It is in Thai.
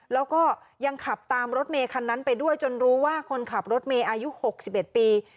แล้วก็ยังขับตามรถเมย์คันนั้นไปด้วยจนรู้ว่าคนขับรถเมย์อายุ๖๑ปี